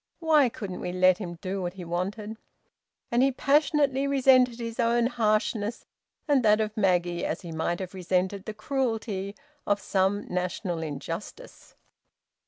Why couldn't we let him do what he wanted?" And he passionately resented his own harshness and that of Maggie as he might have resented the cruelty of some national injustice.